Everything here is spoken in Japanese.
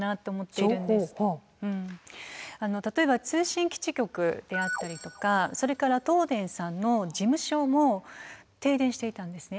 例えば通信基地局であったりとかそれから東電さんの事務所も停電していたんですね。